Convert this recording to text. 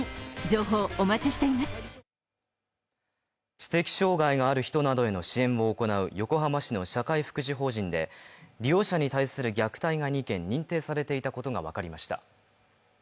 知的障害がある人などへの支援を行う横浜市の社会福祉法人で利用者に対する虐待が２件認定されていたことがわかりました。